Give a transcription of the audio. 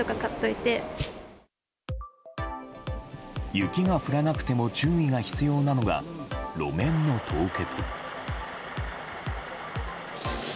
雪が降らなくても注意が必要なのが路面の凍結。